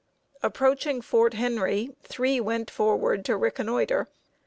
Approaching Fort Henry, three went forward to reconnoiter.